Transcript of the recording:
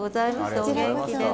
お元気でね。